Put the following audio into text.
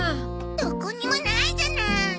どこにもないじゃない。